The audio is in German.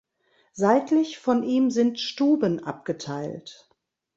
Seitlich von ihm sind Stuben abgeteilt.